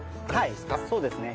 はいそうですね。